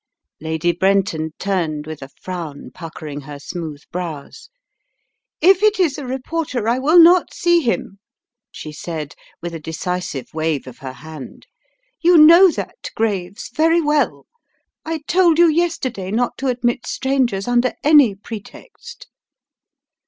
Lady Brenton turned with a frown puckering her smooth brows. "If it is a reporter, I will not see him!" she said, with a decisive wave of her hand. "You know that, Graves, very well. I told you yesterday not to admit strangers under any pretext."